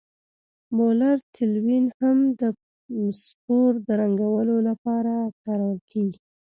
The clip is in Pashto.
مولر تلوین هم د سپور د رنګولو لپاره کارول کیږي.